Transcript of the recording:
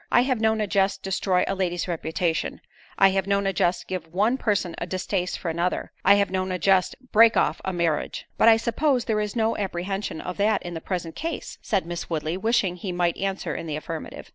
I have known a jest destroy a lady's reputation—I have known a jest give one person a distaste for another—I have known a jest break off a marriage." "But I suppose there is no apprehension of that in the present case?" said Miss Woodley—wishing he might answer in the affirmative.